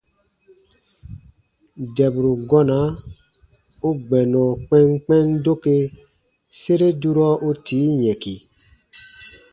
Dɛburu gɔna u gbɛnɔ kpɛnkpɛn doke sere durɔ u tii yɛ̃ki.